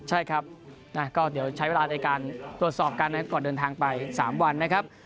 ใช่ครับก็เดี๋ยวใช้เวลาในการตรวจสอบกันนะครับก่อนเดินทางไป๓วันนะครับ